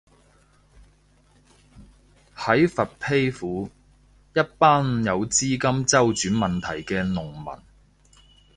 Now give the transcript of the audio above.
喺佛丕府，一班有資金周轉問題嘅農民